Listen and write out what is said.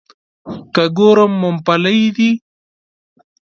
که ګورم مومپلي دي.